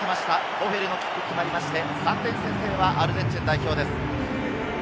ボフェリのキックが決まって、３点先制はアルゼンチン代表です。